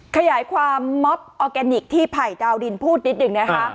ขยายความออร์แกนิคที่ผ่ายดาวดินพูดนิดนึงนะครับ